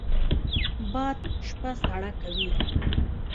باد شپه سړه کوي